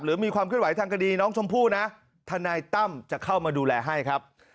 มีความเคลื่อนไหวทางคดีน้องชมพู่นะทนายตั้มจะเข้ามาดูแลให้ครับ